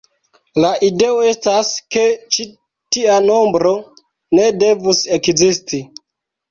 La ideo estas ke ĉi tia nombro ne devus ekzisti.